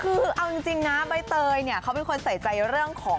คือเอาจริงนะใบเตยเนี่ยเขาเป็นคนใส่ใจเรื่องของ